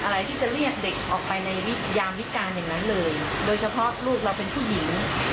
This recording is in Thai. หนูก็หลับรับไม่ได้ปกติมันก็ทำแบบนี้